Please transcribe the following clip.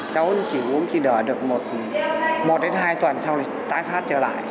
cháu chỉ uống chỉ đỡ được một đến hai tuần sau này tái phát trở lại